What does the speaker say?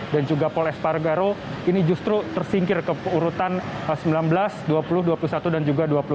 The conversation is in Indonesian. dan juga paul espargaro ini justru tersingkir ke urutan sembilan belas dua puluh dua puluh satu dan juga dua puluh dua